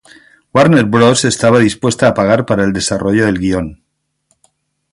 Warner Bros estaba dispuesta a pagar para el desarrollo del guion.